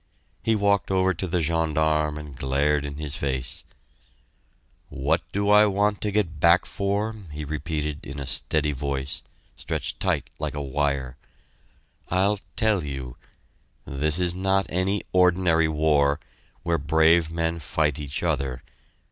He walked over to the gendarme and glared in his face, "What do I want to get back for?" he repeated in a steady voice, stretched tight like a wire, "I'll tell you this is not any ordinary war, where brave men fight each other.